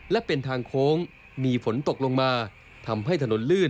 ฟื้นมีเห็นชีวิตของเรามัน